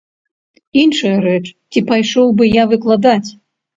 Іншая рэч, ці пайшоў бы я выкладаць.